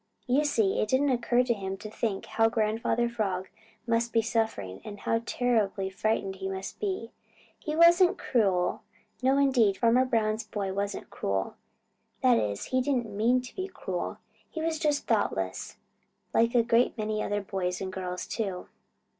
You see, it didn't occur to him to think how Grandfather Frog must be suffering and how terribly frightened he must be. He wasn't cruel. No, indeed, Farmer Brown's boy wasn't cruel. That is, he didn't mean to be cruel. He was just thoughtless, like a great many other boys, and girls too.